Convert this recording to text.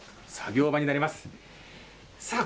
この作業場になります。